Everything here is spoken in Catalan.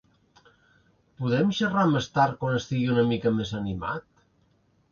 Podem xerrar més tard quan estigui una mica més animat?